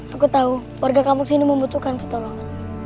aku tahu warga kampung sini membutuhkan pertolongan